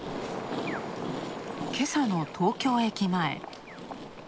今朝の東京駅前。